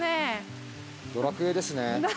『ドラクエ』ですね。